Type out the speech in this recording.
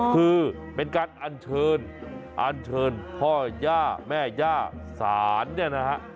คือเป็นการอัญเชิญอันเชิญพ่อย่าแม่ย่าศาลเนี่ยนะฮะ